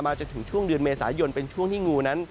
จนถึงช่วงเดือนเมษายนเป็นช่วงที่งูนั้น